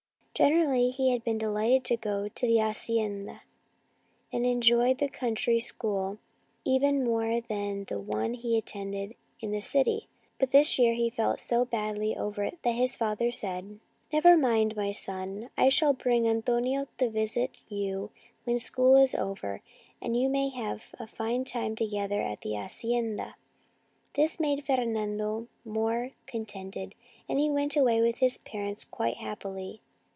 Generally he had been delighted to go to the hacienda, and enjoyed the country school even more than the one he attended in the city, but this year he felt so badly over it that his father said: " Never mind, my son. I shall bring An tonio out to visit you when school is over, and you may have a fine time together at the hacienda" This made Fernando more con tented, and he went away with his parents quite happily.